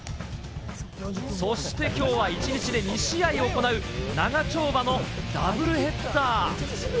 そしてきょうは一日で２試合を行う長丁場のダブルヘッダー。